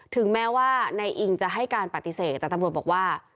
ถึงแม้ว่านายอิงจะให้การปฏิเสธแต่ตำรวจบอกว่า